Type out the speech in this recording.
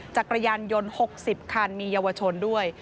จักรยานยนต์๖๐คันมีเยาวชนด้วย